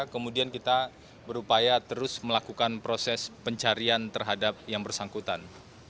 kemudian kita berupaya terus melakukan proses pencarian terhadap yang bersangkutan